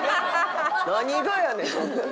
何がやねん。